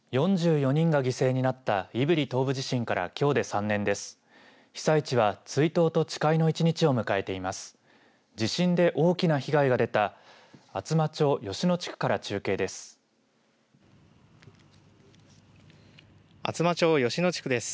４４人が犠牲になった胆振東部地震からきょうで３年です。